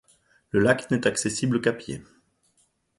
Le lac n'est accessible qu'à pied.